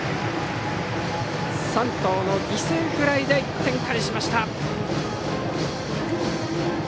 山藤の犠牲フライで１点返しました。